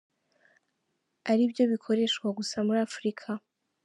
Ari byo bikoreshwa gusa muri Afurika.